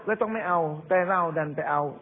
ต้องไม่เอาแต่เราดันไปเอา